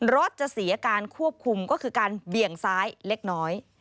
รถจะเสียการควบคุมก็คือการเบี่ยงซ้ายเล็กน้อย